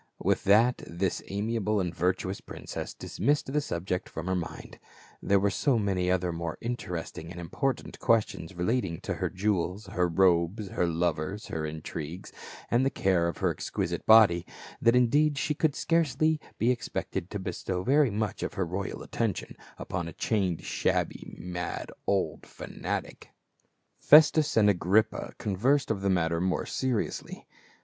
With that this amiable and virtuous princess dismissed the subject from her mind ; there were so many other more interesting and important questions relating to her jewels, her robes, her lovers, her intrigues, and the care of her exquisite body, that indeed she could scarcely be expected to bestow very much of her royal attention upon a chained, shabby, mad old fanatic. Festus and Agrippa conversed of the matter more seriously.